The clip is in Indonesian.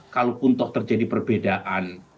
kalau pun toh terjadi perbedaan